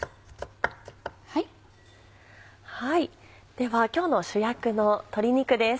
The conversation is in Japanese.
では今日の主役の鶏肉です。